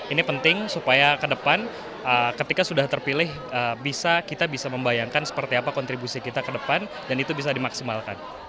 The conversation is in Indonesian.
ini penting supaya ke depan ketika sudah terpilih kita bisa membayangkan seperti apa kontribusi kita ke depan dan itu bisa dimaksimalkan